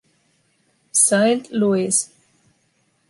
Signed Louis.